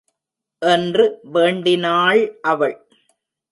என்று வேண்டினாள் அவள்.